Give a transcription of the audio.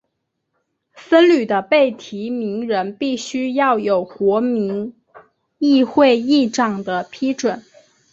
僧侣的被提名人必须要有国民议会议长的批准。